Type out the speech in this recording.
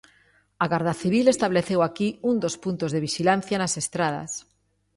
A Garda Civil estableceu aquí un dos punto de vixilancia nas estradas.